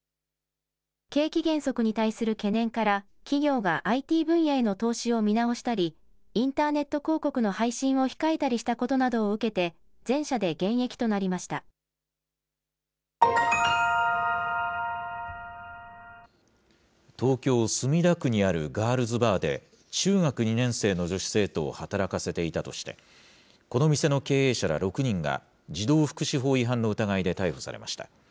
景気減速に対する懸念から、企業がＩＴ分野への投資を見直したり、インターネット広告の配信を控えたりしたことなどを受けて、全社東京・墨田区にあるガールズバーで、中学２年生の女子生徒を働かせていたとして、この店の経営者ら６人が児童福祉法違反の疑いで逮捕されました。